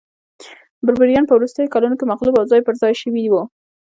بربریان په وروستیو کلونو کې مغلوب او ځای پرځای شوي وو